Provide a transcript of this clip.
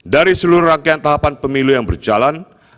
dari seluruh rangkaian tahapan pemilu yang berjalan